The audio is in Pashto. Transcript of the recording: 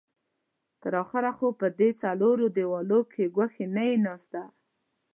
تر اخره خو به په دې څلورو دېوالو کې ګوښې نه يې ناسته.